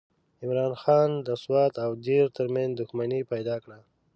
عمرا خان د سوات او دیر ترمنځ دښمني پیدا کړه.